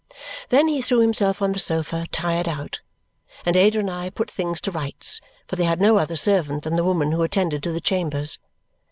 Then he threw himself on the sofa, tired out; and Ada and I put things to rights, for they had no other servant than the woman who attended to the chambers.